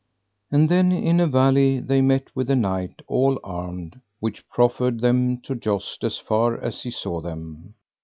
And then in a valley they met with a knight all armed, which proffered them to joust as far as he saw them.